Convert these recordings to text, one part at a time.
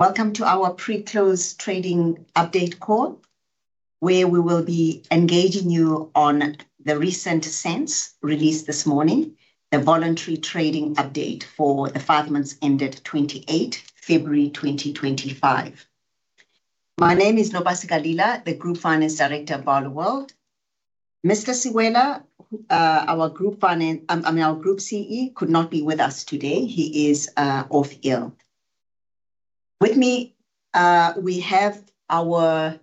Welcome to our pre-close trading update call, where we will be engaging you on the recent SENS released this morning, the voluntary trading update for the performance ended 28 February 2025. My name is Nopasika Lila, the Group Finance Director at Barloworld. Mr. Sewela, our Group Finance—I mean, our Group CEO—could not be with us today. He is off ill. With me, we have our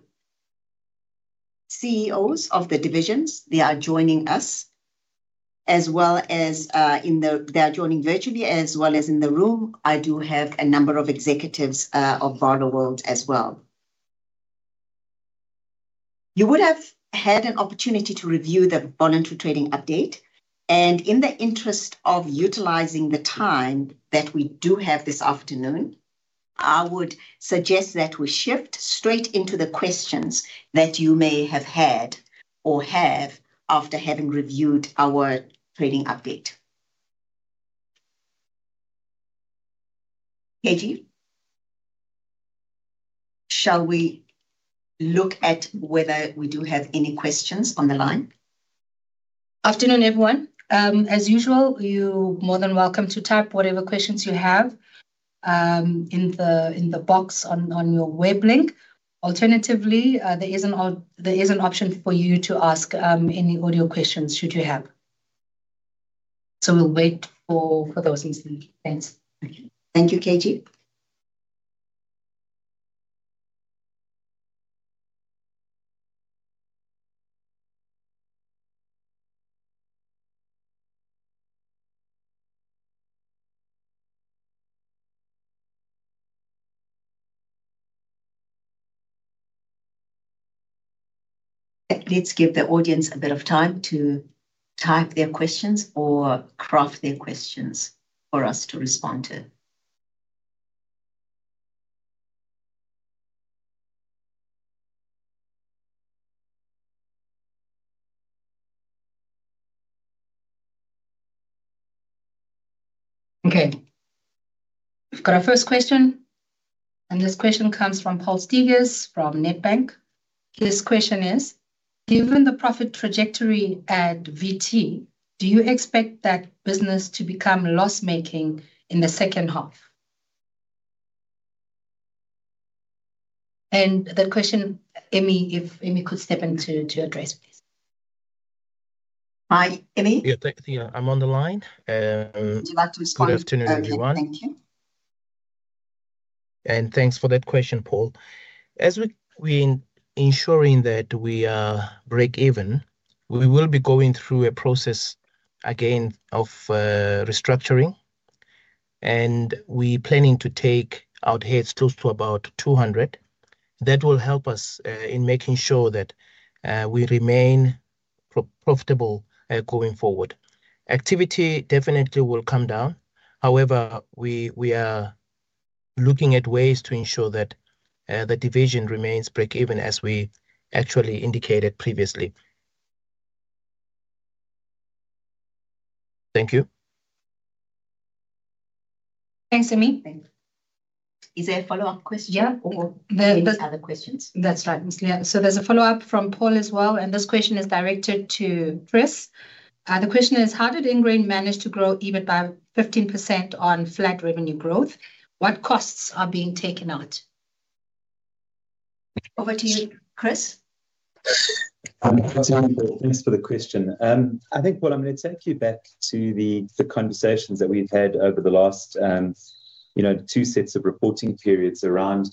CEOs of the divisions. They are joining us, as well as—they are joining virtually, as well as in the room. I do have a number of executives of Barloworld as well. You would have had an opportunity to review the voluntary trading update, and in the interest of utilizing the time that we do have this afternoon, I would suggest that we shift straight into the questions that you may have had or have after having reviewed our trading update. KG, shall we look at whether we do have any questions on the line? Afternoon, everyone. As usual, you're more than welcome to type whatever questions you have in the box on your web link. Alternatively, there is an option for you to ask any audio questions should you have. We will wait for those in the meantime. Thanks. Thank you, KG. Let's give the audience a bit of time to type their questions or craft their questions for us to respond to. Okay. We've got our first question. This question comes from Paul Steegers from Nedbank. His question is, "Given the profit trajectory at VT, do you expect that business to become loss-making in the second half?" That question, Emmy, if Emmy could step in to address, please. Hi, Emmy. Yeah, I'm on the line. Would you like to respond? Good afternoon, everyone. Thank you. Thanks for that question, Paul. As we're ensuring that we break even, we will be going through a process again of restructuring, and we're planning to take out heads close to about 200. That will help us in making sure that we remain profitable going forward. Activity definitely will come down. However, we are looking at ways to ensure that the division remains break even as we actually indicated previously. Thank you. Thanks, Emmy. Is there a follow-up question or any other questions? That's right, Ms. Lila. There is a follow-up from Paul as well, and this question is directed to Chris. The question is, "How did Ingrain manage to grow EBIT by 15% on flat revenue growth? What costs are being taken out? Over to you, Chris. Thanks for the question. I think, Paul, I'm going to take you back to the conversations that we've had over the last two sets of reporting periods around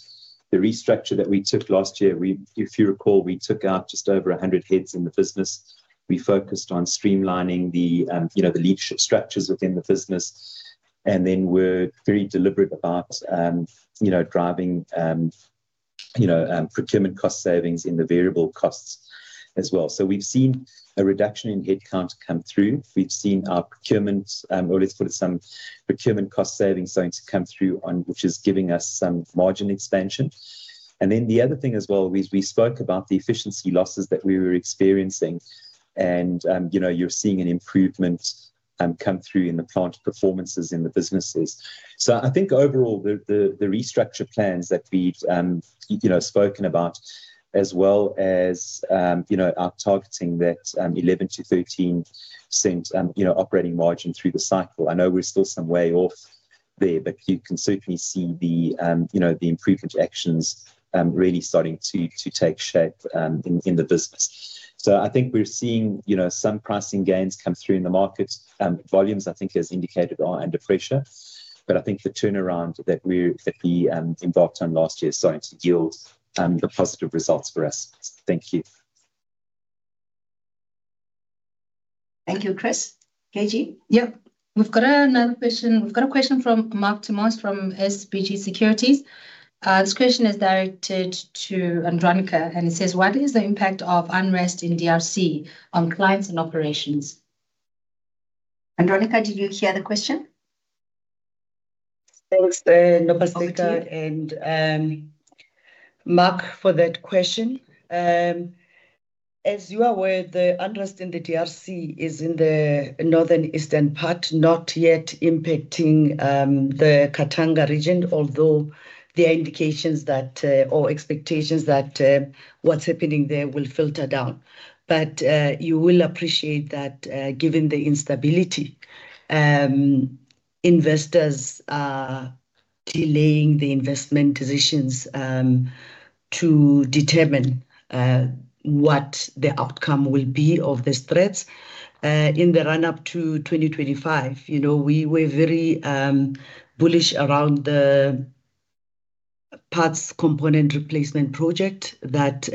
the restructure that we took last year. If you recall, we took out just over 100 heads in the business. We focused on streamlining the leadership structures within the business, and we were very deliberate about driving procurement cost savings in the variable costs as well. We have seen a reduction in headcount come through. We have seen our procurement—or let's put it—some procurement cost savings starting to come through, which is giving us some margin expansion. The other thing as well, we spoke about the efficiency losses that we were experiencing, and you're seeing an improvement come through in the plant performances in the businesses. I think overall, the restructure plans that we've spoken about, as well as our targeting that 11%-13% operating margin through the cycle. I know we're still some way off there, but you can certainly see the improvement actions really starting to take shape in the business. I think we're seeing some pricing gains come through in the markets. Volumes, I think, as indicated, are under pressure, but I think the turnaround that we're involved in last year is starting to yield the positive results for us. Thank you. Thank you, Chris. KG? Yep. We've got another question. We've got a question from Marc Ter Mors from SBG Securities. This question is directed to Andronicca, and it says, "What is the impact of unrest in DRC on clients and operations? Andronicca, did you hear the question? Thanks, Nopasika and Mark for that question. As you are aware, the unrest in the Democratic Republic of Congo is in the northeastern part, not yet impacting the Katanga region, although there are indications or expectations that what is happening there will filter down. You will appreciate that given the instability, investors are delaying the investment decisions to determine what the outcome will be of these threats in the run-up to 2025. We were very bullish around the parts component replacement project that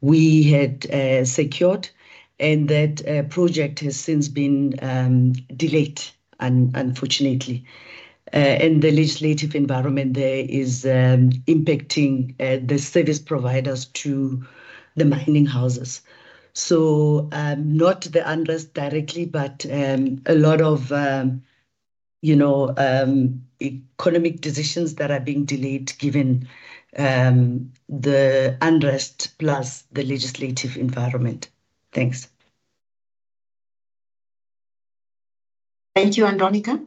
we had secured, and that project has since been delayed, unfortunately. The legislative environment there is impacting the service providers to the mining houses. Not the unrest directly, but a lot of economic decisions are being delayed given the unrest plus the legislative environment. Thanks. Thank you, Andronicca.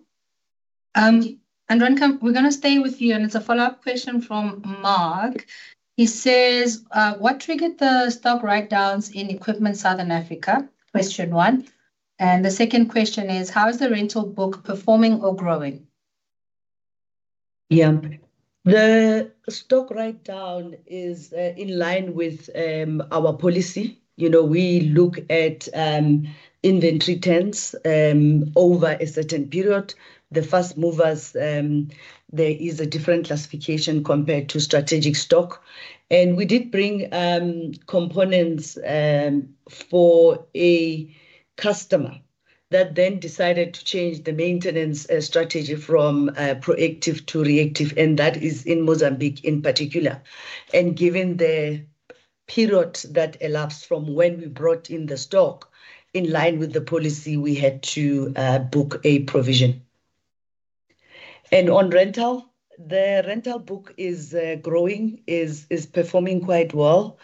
Andronicca, we are going to stay with you, and it is a follow-up question from Mark. He says, "What triggered the stock write-downs in Equipment Southern Africa?" Question one. The second question is, "How is the rental book performing or growing? Yeah. The stock write-down is in line with our policy. We look at inventory turns over a certain period. The fast movers, there is a different classification compared to strategic stock. We did bring components for a customer that then decided to change the maintenance strategy from proactive to reactive, and that is in Mozambique in particular. Given the period that elapsed from when we brought in the stock, in line with the policy, we had to book a provision. On rental, the rental book is growing, is performing quite well.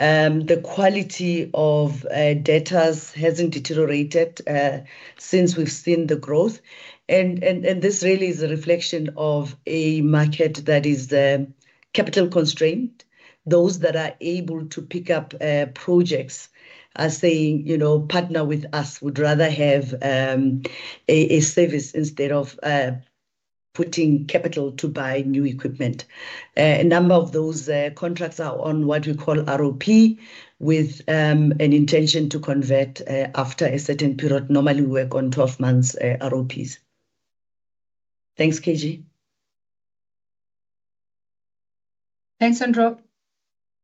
The quality of debtors has not deteriorated since we've seen the growth. This really is a reflection of a market that is capital-constrained. Those that are able to pick up projects are saying, "Partner with us," would rather have a service instead of putting capital to buy new equipment. A number of those contracts are on what we call ROP with an intention to convert after a certain period. Normally, we work on 12-month ROPs. Thanks, KG. Thanks, Andro.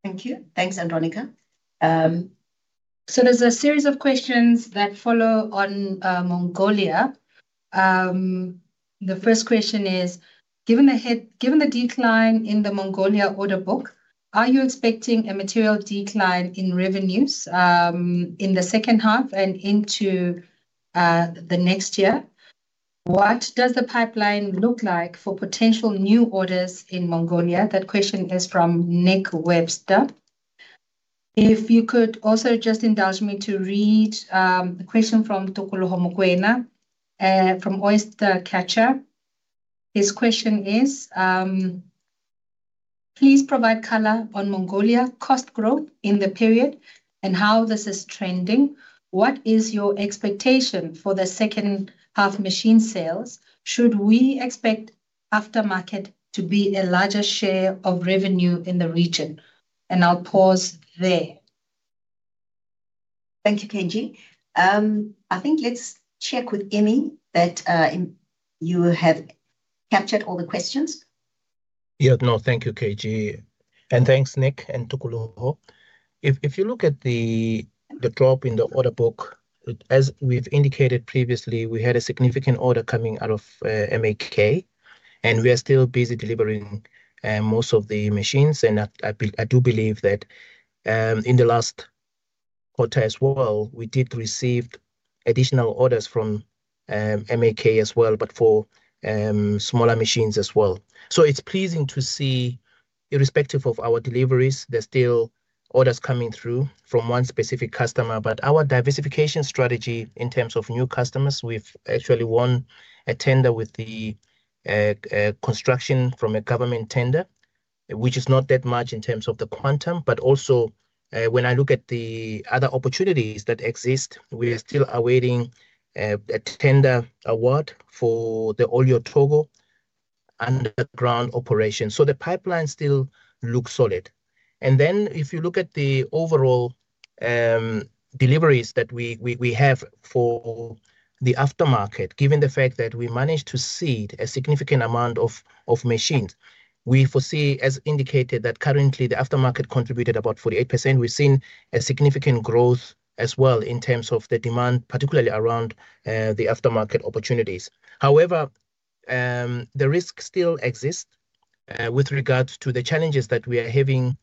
Thank you. Thanks, Andronicca. There is a series of questions that follow on Mongolia. The first question is, "Given the decline in the Mongolia order book, are you expecting a material decline in revenues in the second half and into the next year? What does the pipeline look like for potential new orders in Mongolia?" That question is from Nick Webster. If you could also just indulge me to read a question from Tholo Mokoena from Oystercatcher. His question is, "Please provide color on Mongolia cost growth in the period and how this is trending. What is your expectation for the second-half machine sales? Should we expect aftermarket to be a larger share of revenue in the region?" I will pause there. Thank you, KG. I think let's check with Emmy that you have captured all the questions. Yeah, no, thank you, KG. Thank you, Nick and Tokolo. If you look at the drop in the order book, as we've indicated previously, we had a significant order coming out of MAK, and we are still busy delivering most of the machines. I do believe that in the last quarter as well, we did receive additional orders from MAK as well, but for smaller machines as well. It's pleasing to see, irrespective of our deliveries, there are still orders coming through from one specific customer. Our diversification strategy in terms of new customers, we've actually won a tender with the construction from a government tender, which is not that much in terms of the quantum. When I look at the other opportunities that exist, we are still awaiting a tender award for the Oyu Tolgoi underground operation. The pipeline still looks solid. If you look at the overall deliveries that we have for the aftermarket, given the fact that we managed to seed a significant amount of machines, we foresee, as indicated, that currently the aftermarket contributed about 48%. We've seen significant growth as well in terms of the demand, particularly around the aftermarket opportunities. However, the risks still exist with regards to the challenges that we are having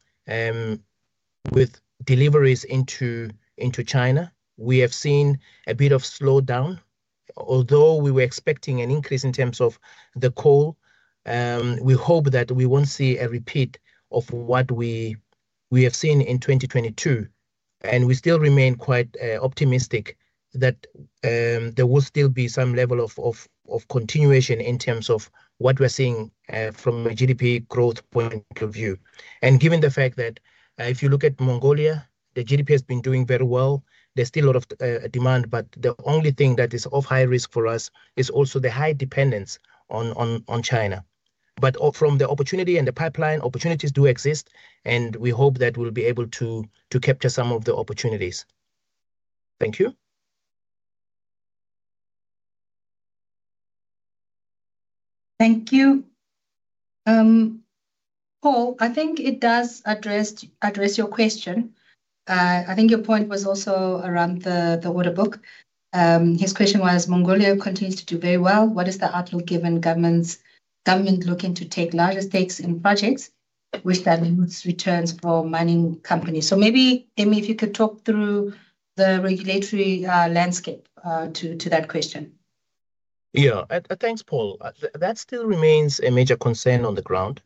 with deliveries into China. We have seen a bit of slowdown. Although we were expecting an increase in terms of the call, we hope that we won't see a repeat of what we have seen in 2022. We still remain quite optimistic that there will still be some level of continuation in terms of what we're seeing from a GDP growth point of view. Given the fact that if you look at Mongolia, the GDP has been doing very well. There is still a lot of demand, but the only thing that is of high risk for us is also the high dependence on China. From the opportunity and the pipeline, opportunities do exist, and we hope that we will be able to capture some of the opportunities. Thank you. Thank you. Paul, I think it does address your question. I think your point was also around the order book. His question was, "Mongolia continues to do very well. What is the outlook given government looking to take larger stakes in projects with that returns for mining companies?" Maybe, Emmy, if you could talk through the regulatory landscape to that question. Yeah. Thanks, Paul. That still remains a major concern on the ground.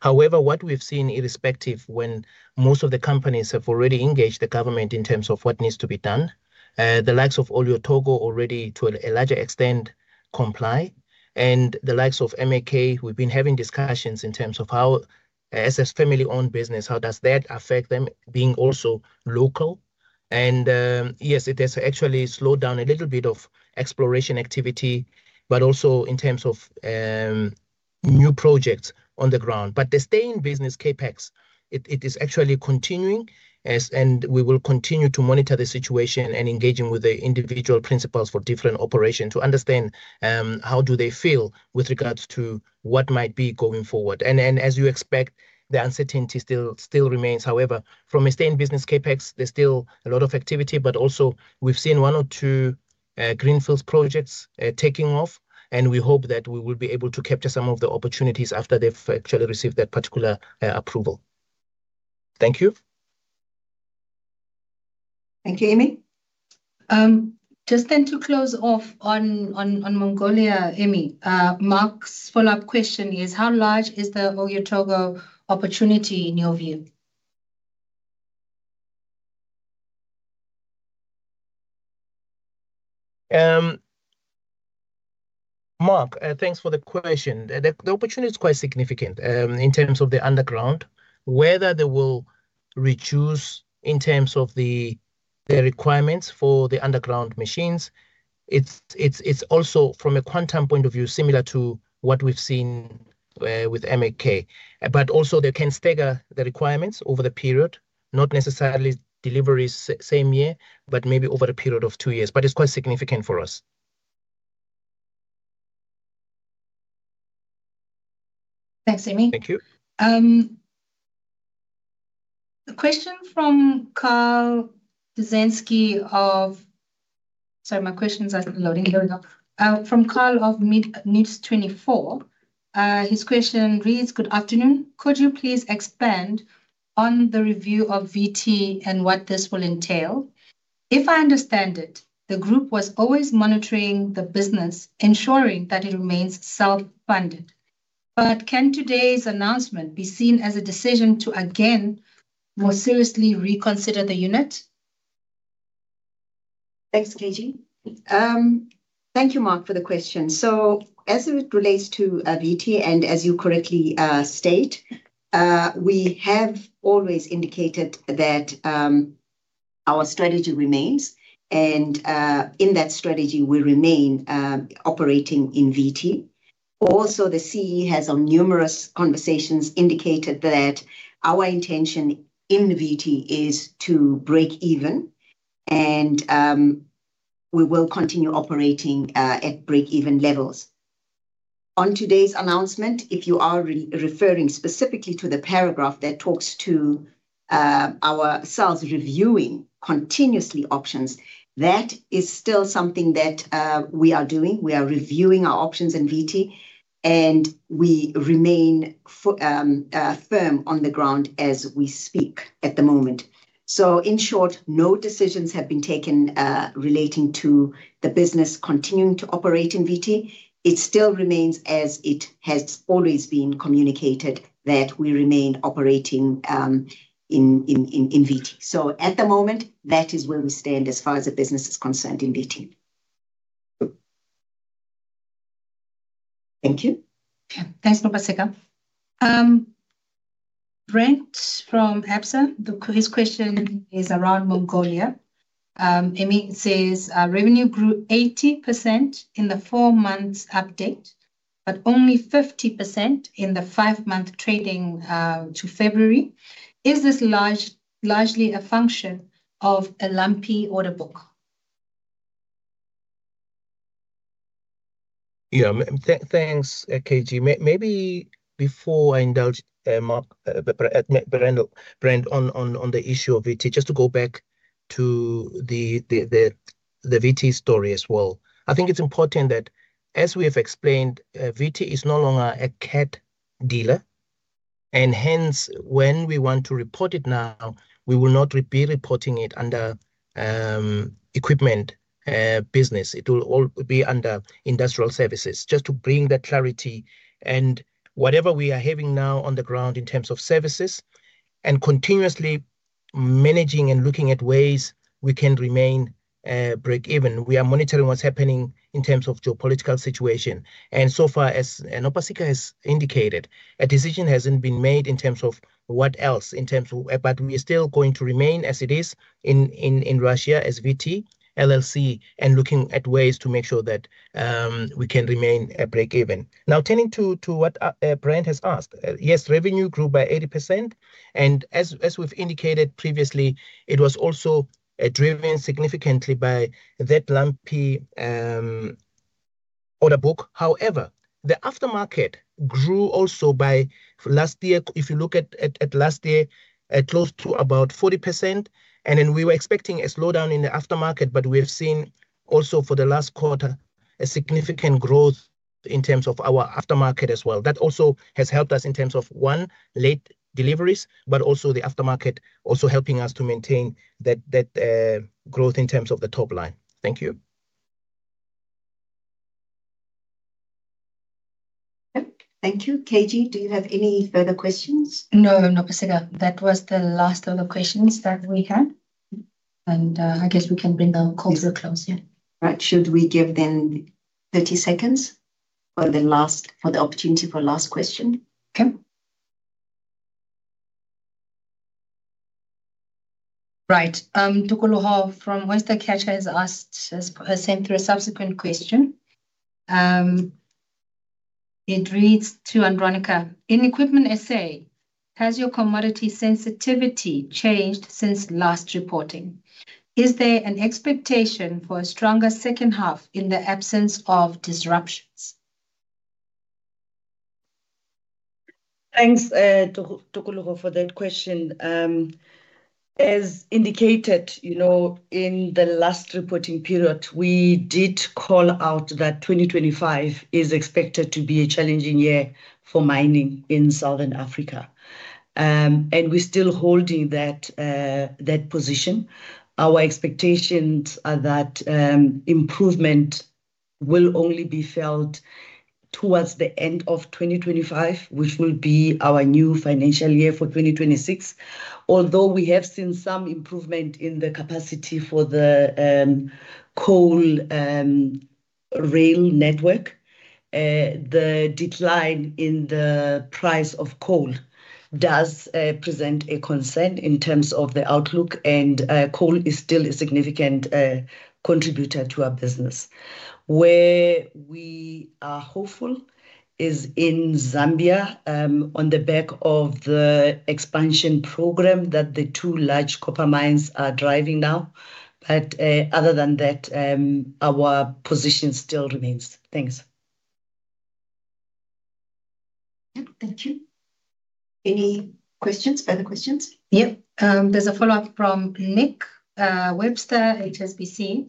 However, what we've seen, irrespective, when most of the companies have already engaged the government in terms of what needs to be done, the likes of Oyu Tolgoi already to a larger extent comply, and the likes of MAK, we've been having discussions in terms of how, as a family-owned business, how does that affect them being also local. Yes, it has actually slowed down a little bit of exploration activity, but also in terms of new projects on the ground. The stay-in-business CapEx, it is actually continuing, and we will continue to monitor the situation and engage with the individual principals for different operations to understand how do they feel with regards to what might be going forward. As you expect, the uncertainty still remains. However, from a stay-in-business CapEx, there's still a lot of activity, but also we've seen one or two greenfield projects taking off, and we hope that we will be able to capture some of the opportunities after they've actually received that particular approval. Thank you. Thank you, Emmy. Just then to close off on Mongolia, Emmy, Mark's follow-up question is, "How large is the Oyu Tolgoi opportunity in your view? Mark, thanks for the question. The opportunity is quite significant in terms of the underground, whether they will reduce in terms of the requirements for the underground machines. It's also, from a quantum point of view, similar to what we've seen with MAK. Also, they can stagger the requirements over the period, not necessarily deliveries same year, but maybe over a period of two years. It is quite significant for us. Thanks, Emmy. Thank you. A question from Karl Dzienski of—sorry, my question's loading. Here we go. From Karl of Nedbank, his question reads, "Good afternoon. Could you please expand on the review of VT and what this will entail? If I understand it, the group was always monitoring the business, ensuring that it remains self-funded. Can today's announcement be seen as a decision to again more seriously reconsider the unit?" Thanks, KG. Thank you, Mark, for the question. As it relates to VT, and as you correctly state, we have always indicated that our strategy remains, and in that strategy, we remain operating in VT. Also, the CEO has on numerous conversations indicated that our intention in VT is to break even, and we will continue operating at break-even levels. On today's announcement, if you are referring specifically to the paragraph that talks to our sales reviewing continuously options, that is still something that we are doing. We are reviewing our options in VT, and we remain firm on the ground as we speak at the moment. In short, no decisions have been taken relating to the business continuing to operate in VT. It still remains as it has always been communicated that we remain operating in VT. At the moment, that is where we stand as far as the business is concerned in VT. Thank you. Yeah. Thanks, Nopasika Lila. Brent from Absa. His question is around Mongolia. Emmy says, "Revenue grew 80% in the four-month update, but only 50% in the five-month trading to February. Is this largely a function of a lumpy order book? Yeah. Thanks, KG. Maybe before I indulge Mark Brent on the issue of VT, just to go back to the VT story as well. I think it's important that, as we have explained, VT is no longer a CAT dealer. Hence, when we want to report it now, we will not be reporting it under equipment business. It will all be under industrial services. Just to bring the clarity and whatever we are having now on the ground in terms of services and continuously managing and looking at ways we can remain break even. We are monitoring what's happening in terms of geopolitical situation. As Nopasika has indicated, a decision hasn't been made in terms of what else, but we are still going to remain as it is in Russia as VT and looking at ways to make sure that we can remain break even. Now, turning to what Brent has asked, yes, revenue grew by 80%. As we've indicated previously, it was also driven significantly by that lumpy order book. However, the aftermarket grew also by last year. If you look at last year, it closed to about 40%. We were expecting a slowdown in the aftermarket, but we have seen also for the last quarter a significant growth in terms of our aftermarket as well. That also has helped us in terms of, one, late deliveries, but also the aftermarket also helping us to maintain that growth in terms of the top line. Thank you. Thank you. KG, do you have any further questions? No, Nopasika. That was the last of the questions that we had. I guess we can bring the call to a close. Yeah. Right. Should we give them 30 seconds for the opportunity for last question? Okay. Right. Tholo Mokoena, from Oystercatcher, has sent through a subsequent question. It reads to Andronicca, "In Equipment SA, has your commodity sensitivity changed since last reporting? Is there an expectation for a stronger second half in the absence of disruptions? Thanks, Tokolo, for that question. As indicated in the last reporting period, we did call out that 2025 is expected to be a challenging year for mining in Southern Africa. We are still holding that position. Our expectations are that improvement will only be felt towards the end of 2025, which will be our new financial year for 2026. Although we have seen some improvement in the capacity for the coal rail network, the decline in the price of coal does present a concern in terms of the outlook, and coal is still a significant contributor to our business. Where we are hopeful is in Zambia on the back of the expansion program that the two large copper mines are driving now. Other than that, our position still remains. Thanks. Thank you. Any questions, further questions? Yep. There's a follow-up from Nick Webster, HSBC.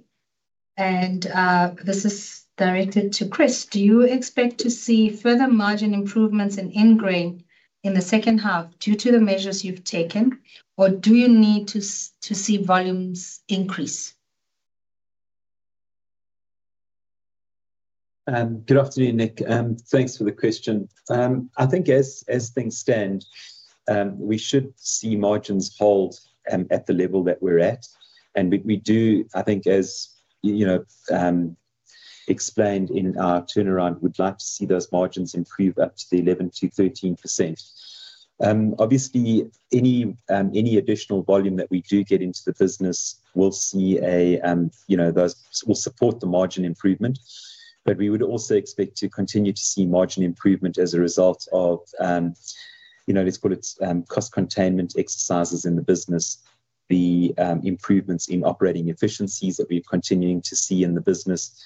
This is directed to Chris. Do you expect to see further margin improvements in Ingrain in the second half due to the measures you've taken, or do you need to see volumes increase? Good afternoon, Nick. Thanks for the question. I think as things stand, we should see margins hold at the level that we're at. We do, I think, as explained in our turnaround, like to see those margins improve up to 11%-13%. Obviously, any additional volume that we do get into the business will support the margin improvement. We would also expect to continue to see margin improvement as a result of, let's call it, cost containment exercises in the business, the improvements in operating efficiencies that we're continuing to see in the business.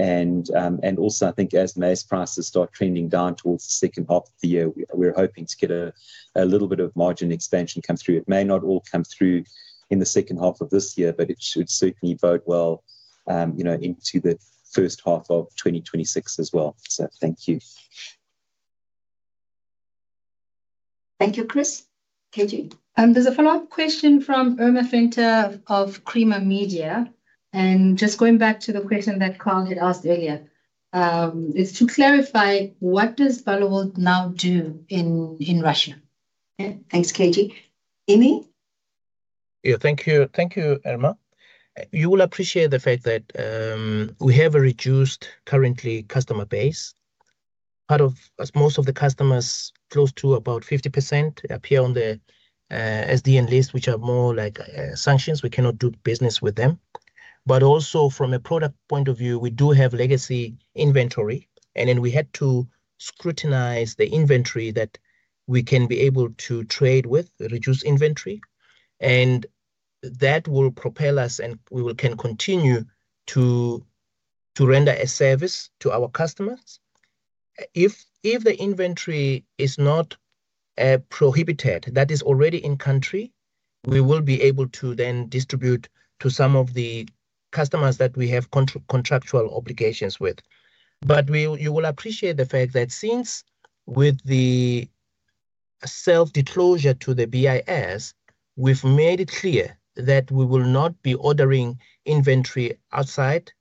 I think as maize prices start trending down towards the second half of the year, we're hoping to get a little bit of margin expansion come through. It may not all come through in the second half of this year, but it should certainly bode well into the first half of 2026 as well. Thank you. Thank you, Chris. KG. There's a follow-up question from Irma Venter of Creamer Media. Just going back to the question that Karl had asked earlier, it's to clarify, what does Barloworld now do in Russia? Thanks, KG. Emmy? Yeah. Thank you, Irma. You will appreciate the fact that we have a reduced currently customer base. Part of most of the customers, close to about 50%, appear on the SDN list, which are more like sanctions. We cannot do business with them. Also, from a product point of view, we do have legacy inventory. We had to scrutinize the inventory that we can be able to trade with, reduce inventory. That will propel us, and we can continue to render a service to our customers. If the inventory is not prohibited, that is already in country, we will be able to then distribute to some of the customers that we have contractual obligations with. You will appreciate the fact that since with the self-disclosure to the BIS, we've made it clear that we will not be ordering inventory outside.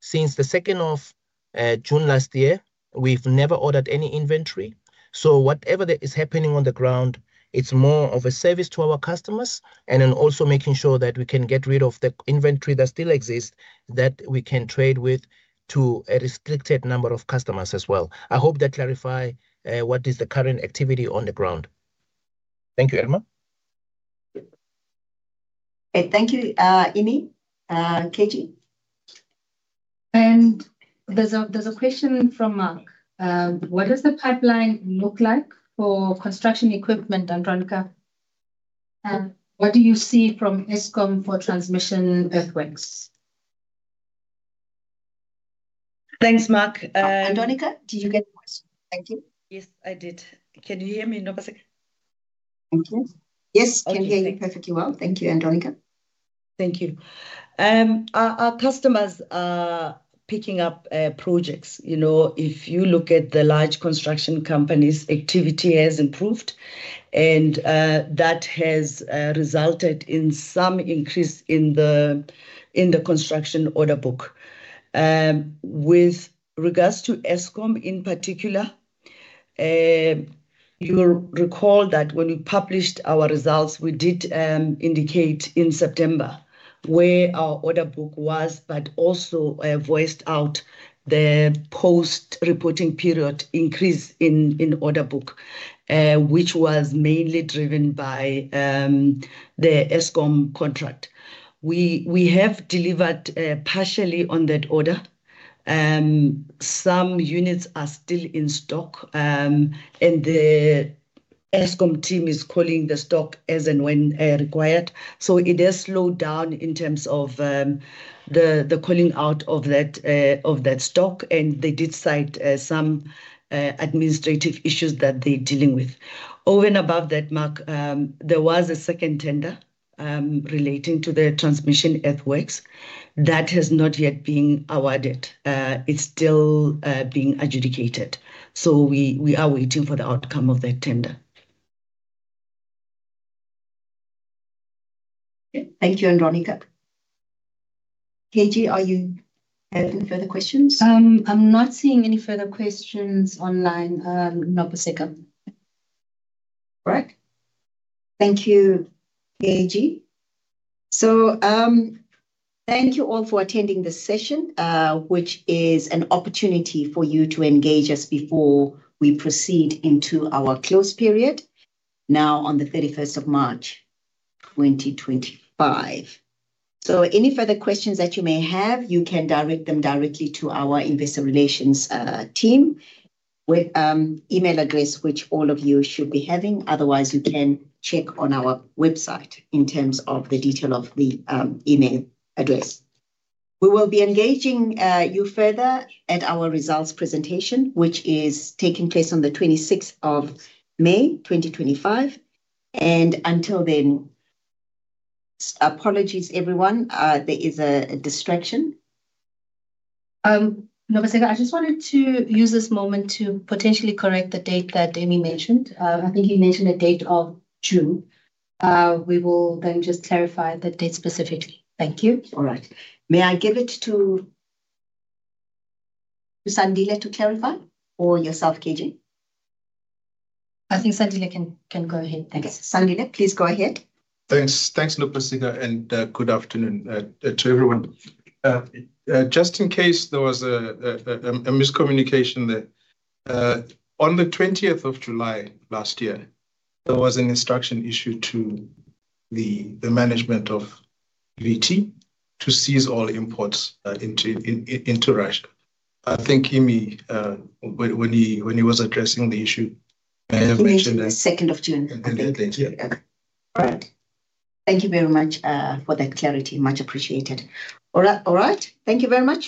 Since the 2nd of June last year, we've never ordered any inventory. Whatever is happening on the ground, it's more of a service to our customers and then also making sure that we can get rid of the inventory that still exists that we can trade with to a restricted number of customers as well. I hope that clarifies what is the current activity on the ground. Thank you, Irma. Thank you, Emmy. KG? There is a question from Mark. What does the pipeline look like for construction equipment, Andronicca? What do you see from Eskom for transmission earthworks? Thanks, Mark. Andronica, did you get the question? Thank you. Yes, I did. Can you hear me, Nopasika? Thank you. Yes, can hear you perfectly well. Thank you, Andronicca. Thank you. Our customers are picking up projects. If you look at the large construction companies, activity has improved. That has resulted in some increase in the construction order book. With regards to Eskom in particular, you'll recall that when we published our results, we did indicate in September where our order book was, but also voiced out the post-reporting period increase in order book, which was mainly driven by the Eskom contract. We have delivered partially on that order. Some units are still in stock, and the Eskom team is calling the stock as and when required. It has slowed down in terms of the calling out of that stock, and they did cite some administrative issues that they're dealing with. Over and above that, Mark, there was a second tender relating to the transmission earthworks that has not yet been awarded. It's still being adjudicated. We are waiting for the outcome of that tender. Thank you, Andronicca. KG, are you having further questions? I'm not seeing any further questions online, Nopasika. Right. Thank you, KG. Thank you all for attending this session, which is an opportunity for you to engage us before we proceed into our close period now on the 31st of March 2025. Any further questions that you may have, you can direct them directly to our investor relations team with email address, which all of you should be having. Otherwise, you can check on our website in terms of the detail of the email address. We will be engaging you further at our results presentation, which is taking place on the 26th of May 2025. Until then, apologies everyone. There is a distraction. Nopasika, I just wanted to use this moment to potentially correct the date that Emmy mentioned. I think you mentioned a date of June. We will then just clarify the date specifically. Thank you. All right. May I give it to Sandile to clarify, or yourself, KG? I think Sandile can go ahead. Thanks. Sandile, please go ahead. Thanks. Thanks, Nopasika. Good afternoon to everyone. Just in case there was a miscommunication there, on the 20th of July last year, there was an instruction issued to the management of VT to seize all imports into Russia. I think Emmy, when he was addressing the issue, may have mentioned that. The 2nd of June. Okay. Thank you very much for that clarity. Much appreciated. All right. Thank you very much.